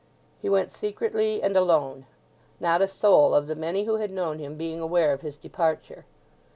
He went secretly and alone, not a soul of the many who had known him being aware of his departure.